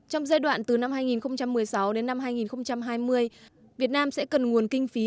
trong giai đoạn từ năm hai nghìn một mươi sáu đến năm hai nghìn hai mươi việt nam sẽ cần nguồn kinh phí